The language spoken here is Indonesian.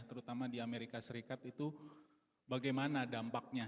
terutama di amerika serikat itu bagaimana dampaknya